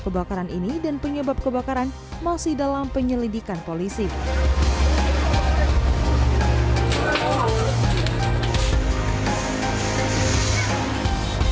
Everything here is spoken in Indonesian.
kebakaran ini dan penyebab kebakaran masih dalam penyelidikan polisi kebakaran melanda sebuah rumah